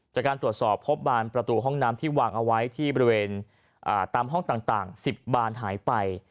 จากการตรวจสอบพบบานประตูห้องน้ำที่วางเอาไว้ที่บริเวณตามห้องต่าง๑๐บานหายไป